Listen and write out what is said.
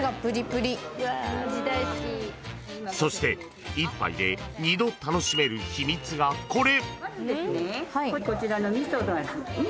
［そして１杯で二度楽しめる秘密がこれ］